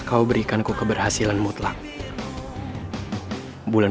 kukamu lihatdu dan diriku saja seorang para bes chicos